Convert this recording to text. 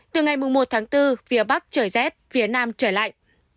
từ ngày một tháng bốn phía bắc trời rét phía nam trời lạnh